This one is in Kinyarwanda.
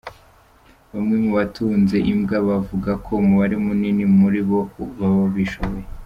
Bamwe mu batunze imbwa bavuga ko umubare munini muri bo baba bishoboye.